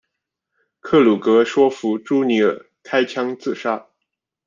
克鲁格说服朱尼尔开枪自杀。